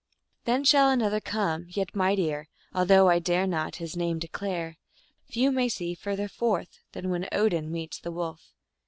" Then shall another come yet mightier, although I dare not his name declare. Few may see < further forth than when Odin meets the wolf."